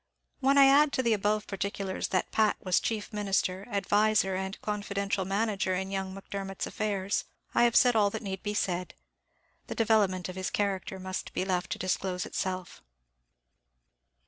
When I add to the above particulars that Pat was chief minister, adviser, and confidential manager in young Macdermot's affairs, I have said all that need be said. The development of his character must be left to disclose itself.